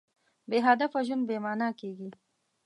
بېهدفه ژوند بېمانا کېږي.